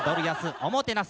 「おもてなす」。